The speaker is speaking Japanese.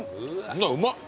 うまっ！